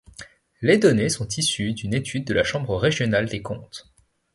Les données sont issues d'une étude de la chambre régionale des comptes.